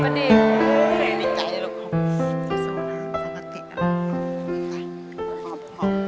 ขอบคุณครับ